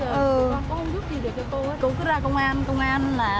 cô không giúp gì được cho cô ấy